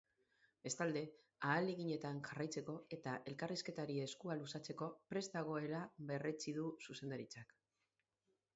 Bestalde, ahaleginetan jarraitzeko eta elkarrizketari eskua luzatzeko prest dagoela berretsi du zuzendaritzak.